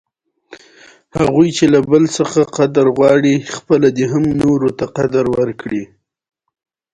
قلم او کاغذ راوړي.